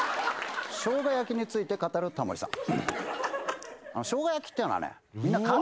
しょうが焼きについて語るタモリさん。